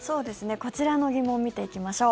こちらの疑問見ていきましょう。